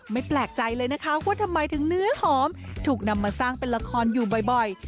แปลกใจเลยนะคะว่าทำไมถึงเนื้อหอมถูกนำมาสร้างเป็นละครอยู่บ่อย